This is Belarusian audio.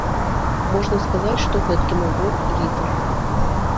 Можна сказаць, што гэткі набор літар.